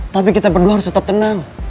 tapi kita berdua harus tetap tenang